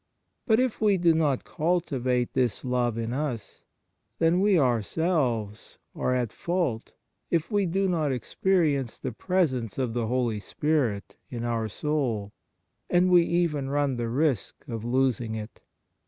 But if we do not cultivate this love in us, then we our selves are at fault if we do not experience the presence of the Holy Spirit in our soul, and we even run the risk of losing it.